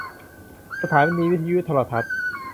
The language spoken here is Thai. สถานีวิทยุโทรทัศน์